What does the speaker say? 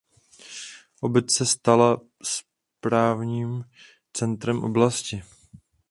Obec se stala správním centrem oblasti.